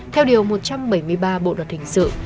theo điều một trăm bảy mươi ba bộ luật hình sự